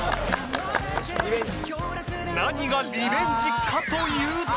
何がリベンジかというと